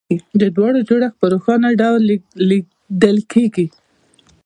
د دواړو جوړښت په روښانه ډول لیدل کېږي